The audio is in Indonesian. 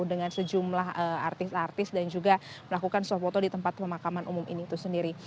dengan sejumlah artis artis dan juga melakukan suap foto di tempat pemakaman umum ini itu sendiri